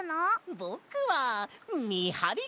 ぼくはみはりさ！